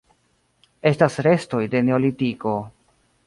Estas restoj de Neolitiko.